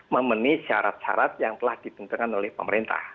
memenuhi syarat syarat yang telah ditentukan oleh pemerintah